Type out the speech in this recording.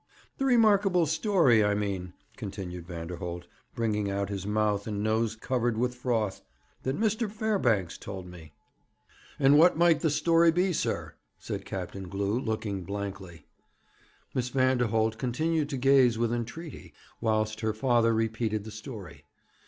'The remarkable story, I mean,' continued Vanderholt, bringing out his mouth and nose covered with froth, 'that Mr. Fairbanks told me.' 'And what might the story be, sir?' said Captain Glew, looking blankly. Miss Vanderholt continued to gaze with entreaty, whilst her father repeated the story.